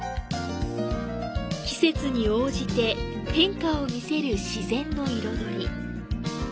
季節に応じて変化を見せる自然の彩り。